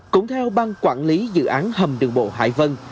cũng theo bang quản lý dự án hầm đường bộ hải vân